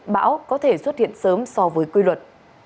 bão có thể xuất hiện sớm so với quy luật